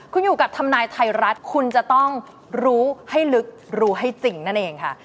คุณอยู่กับทำนายไทยรัฐคุณจะต้องรู้ให้ลึกรู้ให้จริงนั่นเองค่ะ